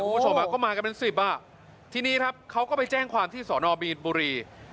ผู้ชมอ่าก็มาเป็นสิบที่นี้เขาก็ไปแจ้งความที่สนบีตบูรี